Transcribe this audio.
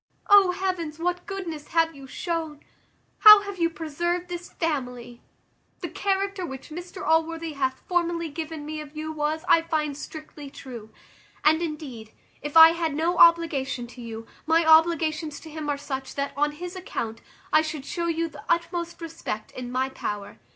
O heavens! what goodness have you shown! How have you preserved this family! The character which Mr Allworthy hath formerly given me of you was, I find, strictly true. And indeed, if I had no obligation to you, my obligations to him are such, that, on his account, I should shew you the utmost respect in my power.